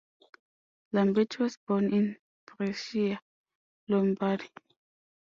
Lamberti was born in Brescia, Lombardy.